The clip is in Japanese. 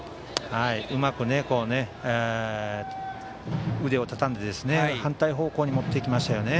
うまく腕をたたんで反対方向に持っていきましたよね。